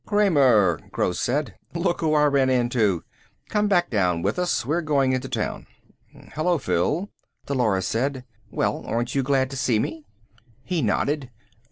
"Kramer," Gross said. "Look who I ran into. Come back down with us. We're going into town." "Hello, Phil," Dolores said. "Well, aren't you glad to see me?" He nodded.